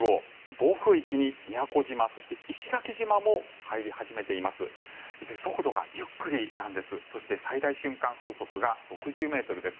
暴風域に宮古島、そして石垣島も入り始めています。